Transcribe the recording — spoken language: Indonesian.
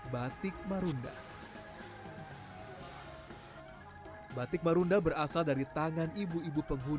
batik marunda berasal dari tangan ibu ibu perusahaan